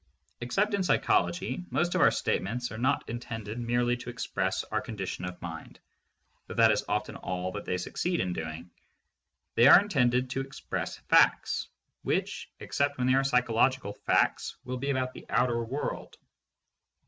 Except in psychology, most of our statements are not in tended merely to express our condition of mind, though that is often all that they succeed in doing. They are in tended to express facts, which (except when they are psy chological facts) will be about the outer world.